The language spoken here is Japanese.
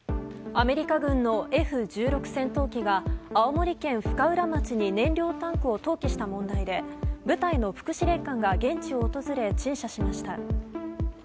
アメリカ軍のＦ１６戦闘機が青森県深浦町に燃料タンクを投棄した問題で部隊の副司令官が現地を訪れ陳謝しました。